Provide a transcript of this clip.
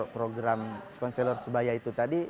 program konselor sebayai